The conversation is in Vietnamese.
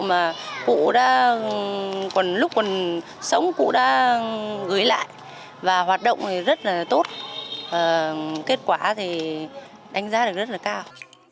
mà lúc còn sống cụ đã gửi lại và hoạt động rất là tốt kết quả thì đánh giá được rất là cao